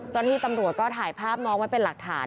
เจ้าหน้าที่ตำรวจก็ถ่ายภาพน้องไว้เป็นหลักฐาน